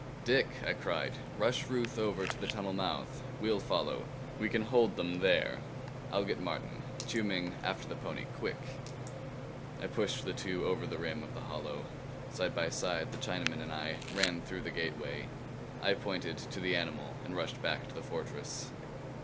"Dick," I cried, "rush Ruth over to the tunnel mouth. We'll follow. We can hold them there. I'll get Martin. Chiu Ming, after the pony, quick." I pushed the two over the rim of the hollow. Side by side the Chinaman and I ran back through the gateway. I pointed to the animal and rushed back into the fortress.